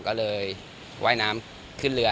ก็เลยว่ายน้ำขึ้นเรือ